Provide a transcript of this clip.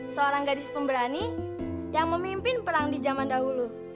seorang gadis pemberani yang memimpin perang di zaman dahulu